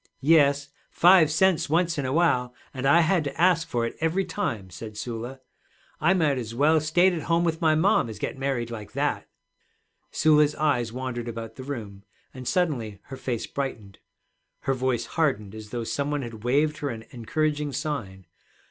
'Yes; five cents once in a while, and I had to ask for it every time,' said Sula. 'I might as well stayed at home with my mom as get married like that.' Sula's eyes wandered about the room, and suddenly her face brightened. Her voice hardened as though some one had waved her an encouraging sign.